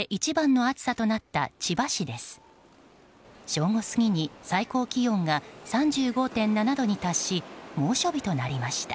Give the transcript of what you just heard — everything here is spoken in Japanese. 正午過ぎに最高気温が３５．７度に達し猛暑日となりました。